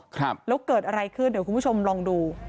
ครับแล้วเกิดอะไรขึ้นเดี๋ยวคุณผู้ชมลองดู